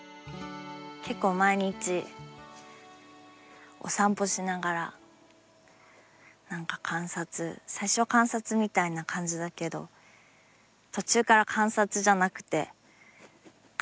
結構毎日お散歩しながら何か観察最初は観察みたいな感じだけど途中から観察じゃなくて描きたいもの描くみたいになって。